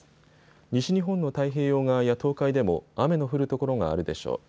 西日本の太平洋側や東海でも雨の降る所があるでしょう。